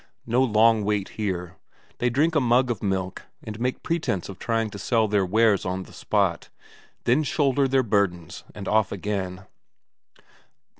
No long wait here; they drink a mug of milk, and make pretence of trying to sell their wares on the spot, then shoulder their burdens and off again.